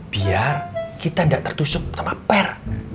biar kita tidak tertusuk sama per